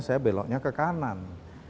saya beloknya ke kanan